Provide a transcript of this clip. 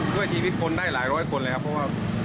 ด้วยชีวิตคนได้หลายร้อยคนแล้วเพราะว่า